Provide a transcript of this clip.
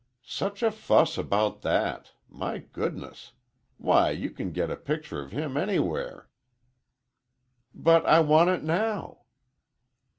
"Such a fuss about that! My goodness! Why, you can get a picture of him anywhere." "But I want it now."